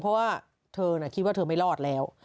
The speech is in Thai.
เพราะว่าเธอคิดว่าเธอไม่รอดแล้ว